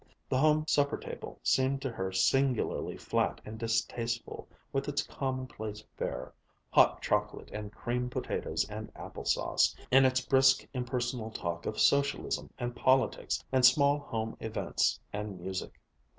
The home supper table seemed to her singularly flat and distasteful with its commonplace fare hot chocolate and creamed potatoes and apple sauce, and its brisk, impersonal talk of socialism, and politics, and small home events, and music.